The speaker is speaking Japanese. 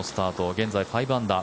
現在、５アンダー。